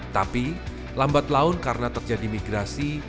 tapi lambat laun karena terjadi migrasi